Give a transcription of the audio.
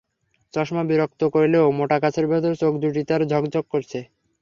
চশমা বিরক্ত করলেও মোটা কাচের ভেতরে চোখ দুটি তার চকচক করছে।